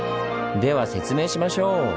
では説明しましょう！